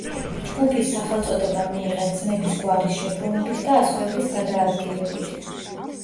ჯგუფის სახელწოდება მიიღეს ძმების გვარის შებრუნებით და ასოების გადაადგილებით.